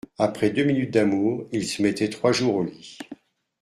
Après deux minutes d'amour il se mettait trois jours au lit.